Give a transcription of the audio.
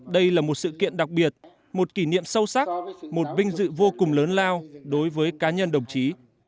đây là một sự kiện đặc biệt một kỷ niệm sâu sắc một vinh dự vô cùng lớn lao đối với cá nhân đồng chí